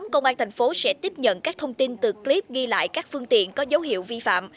công an thành phố sẽ tiếp nhận các thông tin từ clip ghi lại các phương tiện có dấu hiệu vi phạm